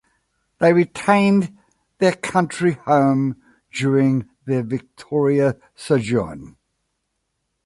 They retained their country home during their Victoria sojourn.